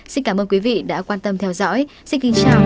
xin cảm ơn quý vị đã quan tâm theo dõi xin kính chào và hẹn gặp lại